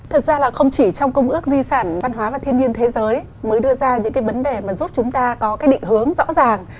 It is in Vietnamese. thực ra là không chỉ trong công ước di sản văn hóa và thiên nhiên thế giới mới đưa ra những cái vấn đề mà giúp chúng ta có cái định hướng rõ ràng